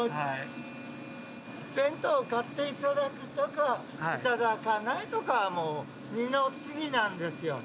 弁当を買っていただくとかいただかないとかはもう二の次なんですよ。